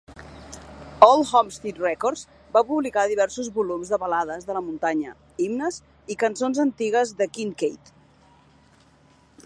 Old Homestead Records va publicar diversos volums de balades de la muntanya, himnes i cançons antigues de Kincaid.